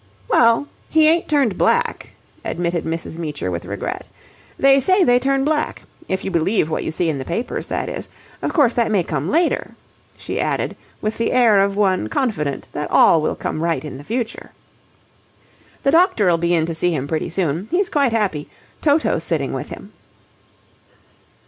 "Well, he ain't turned black," admitted Mrs. Meecher with regret. "They say they turn black. If you believe what you see in the papers, that is. Of course, that may come later," she added with the air of one confident that all will come right in the future. "The doctor'll be in to see him pretty soon. He's quite happy. Toto's sitting with him."